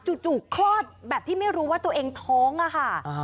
คลอดแบบที่ไม่รู้ว่าตัวเองท้องอะค่ะ